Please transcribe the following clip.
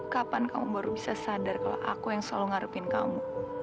kapan kamu baru bisa sadar kalau aku yang selalu ngarepin kamu